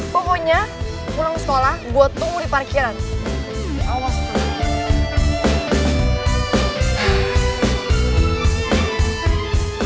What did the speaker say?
pokoknya pulang sekolah gue tunggu di parkiran